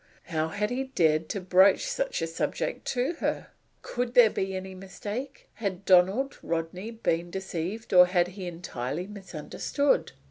How had he dared to broach such a subject to her? Could there be any mistake? Had Donald Rodney been deceived or had he entirely misunderstood?